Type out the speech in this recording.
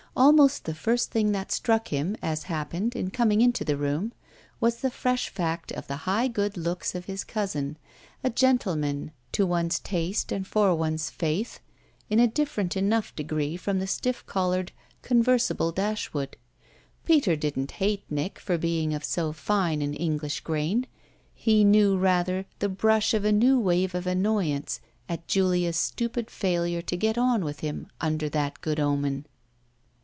Almost the first thing that struck him, as happened, in coming into the room, was the fresh fact of the high good looks of his cousin, a gentleman, to one's taste and for one's faith, in a different enough degree from the stiff collared, conversible Dashwood. Peter didn't hate Nick for being of so fine an English grain; he knew rather the brush of a new wave of annoyance at Julia's stupid failure to get on with him under that good omen.